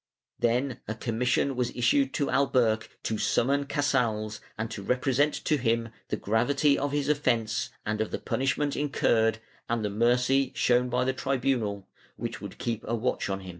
Then a commission was issued to Alberch to summon Casals and to represent to him the gravity of his offence and of the punishment incurred, and the mercy shown by the tribunal, which would keep a watch on him.